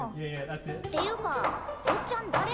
ていうかおっちゃんだれ？